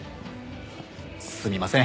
すみません。